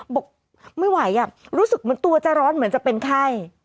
บอกไม่ไหวรู้สึกเหมือนตัวจะร้อนเหมือนจะเป็นไข้